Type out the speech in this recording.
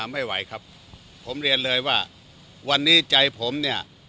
ไม่ไหวครับผมเรียนเลยว่าวันนี้ใจผมเนี่ย